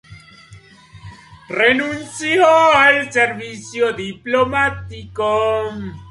Renunció al servicio diplomático.